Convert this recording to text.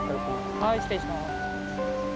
はい失礼します。